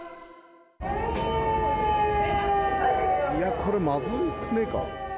いや、これ、まずくねえか。